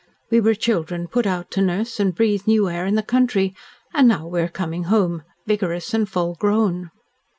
"We were children put out to nurse and breathe new air in the country, and now we are coming home, vigorous, and full grown."